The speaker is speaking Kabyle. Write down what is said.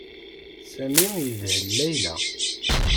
Sami yedhel Layla.